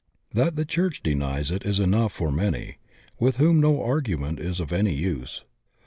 That the church denies it is enough for many, with whom no argument is of any use.